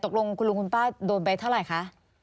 ตกลงคุณลุงคุณป้าโดนไปเท่าไหร่คะ